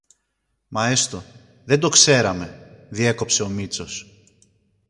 Μα έστω, δεν το ξέραμε, διέκοψε ο Μήτσος